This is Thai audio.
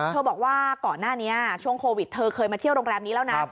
บอกว่าก่อนหน้านี้ช่วงโควิดเธอเคยมาเที่ยวโรงแรมนี้แล้วนะ